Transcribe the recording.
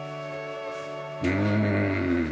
うん。